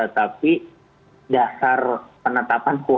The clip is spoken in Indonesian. tapi dasar penetapan kuota